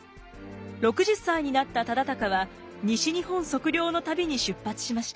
６０歳になった忠敬は西日本測量の旅に出発しました。